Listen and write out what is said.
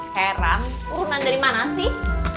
heran urunan dari mana sih